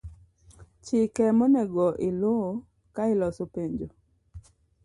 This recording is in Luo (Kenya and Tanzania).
Chike monego ilu kailoso penjo.